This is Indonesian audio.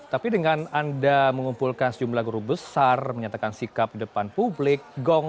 tapi dengan anda mengumpulkan sejumlah guru besar menyatakan sikap di depan publik